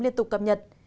liên tục cập nhật